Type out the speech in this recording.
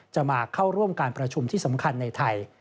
มาเข้าร่วมการประชุมที่สำคัญในไทย